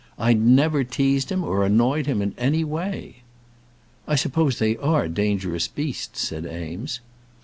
"I never teased him, or annoyed him in any way." "I suppose they are dangerous beasts?" said Eames.